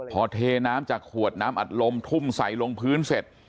พอเทน้ำจากขวดน้ำอัดลมทุ่มใส่ลงพื้นเสร็จ